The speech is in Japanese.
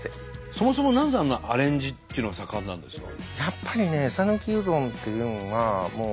そもそもなぜあんなアレンジっていうのが盛んなんですか？